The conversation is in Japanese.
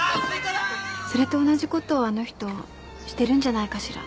それと同じことをあの人してるんじゃないかしら。